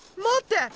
待って！